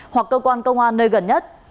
hoặc cơ quan công an nơi gần nhất